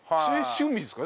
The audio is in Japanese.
趣味ですか？